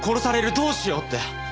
どうしようって。